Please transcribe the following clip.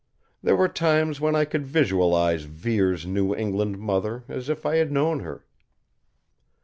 There were times when I could visualize Vere's New England mother as if I had known her.